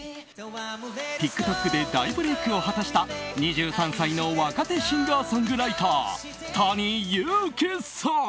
ＴｉｋＴｏｋで大ブレークを果たした２３歳の若手シンガーソングライターＴａｎｉＹｕｕｋｉさん。